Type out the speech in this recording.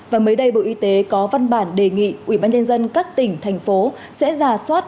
và mới đây bộ y tế có văn bản đề nghị ubnd các tỉnh thành phố sẽ giả soát